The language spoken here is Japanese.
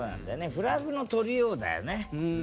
「フラグ」の取りようだよね。